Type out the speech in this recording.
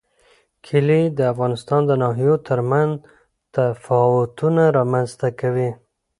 کلي د افغانستان د ناحیو ترمنځ تفاوتونه رامنځ ته کوي.